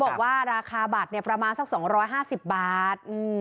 บอกว่าราคาบัตรประมาณสัก๒๕๐บาท